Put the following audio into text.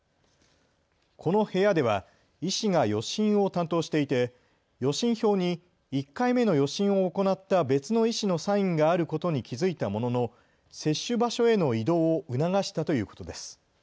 この部屋では医師が予診を担当していて予診票に１回目の予診を行った別の医師のサインがあることに気付いたものの接種場所への移動を促したということです。